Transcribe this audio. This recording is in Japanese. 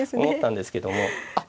思ったんですけども。